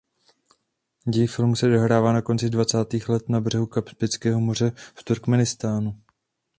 Děj filmu se odehrává na konci dvacátých let na břehu Kaspického moře v Turkmenistánu.